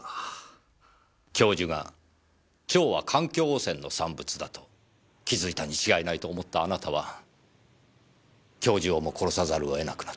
教授が蝶は環境汚染の産物だと気づいたに違いないと思ったあなたは教授をも殺さざるを得なくなった。